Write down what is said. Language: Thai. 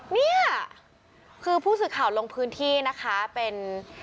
เนี่ยคือผู้สื่อข่าวลงพื้นที่นะคะเป็น